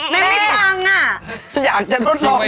แม่ไม่ต้องอ่ะ